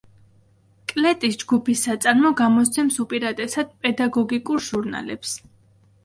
კლეტის ჯგუფის საწარმო გამოსცემს უპირატესად პედაგოგიკურ ჟურნალებს.